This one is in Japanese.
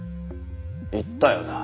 言ったよなぁ。